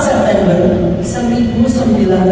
yang artinya satu ratus dua puluh tiga tahun yang lalu